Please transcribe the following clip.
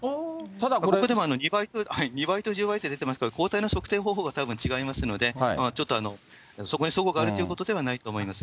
ここでは、２倍と１０倍と出ていますけれども、抗体の測定方法がたぶん違いますので、ちょっとそこにそごがあるということではないと思います。